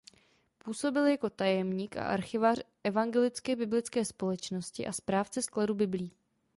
Působil jako tajemník a archivář evangelické biblické společnosti a správce skladu biblí.